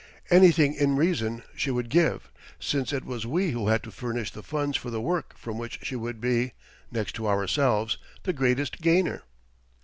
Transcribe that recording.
Anything in reason she would give, since it was we who had to furnish the funds for the work from which she would be, next to ourselves, the greatest gainer.